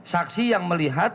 saksi yang melihat